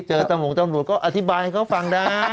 เจอตำรวจตำรวจก็อธิบายให้เขาฟังได้